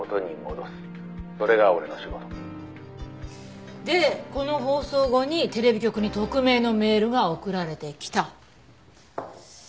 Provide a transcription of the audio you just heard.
「それが俺の仕事」でこの放送後にテレビ局に匿名のメールが送られてきた。